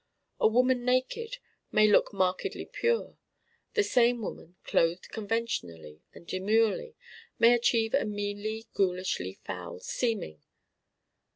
A woman naked may look markedly pure: the same woman clothed conventionally and demurely may achieve a meanly ghoulishly foul seeming.